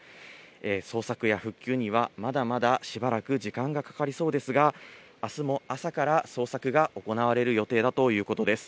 捜索や復旧には、まだまだしばらく時間がかかりそうですが、あすも朝から捜索が行われる予定だということです。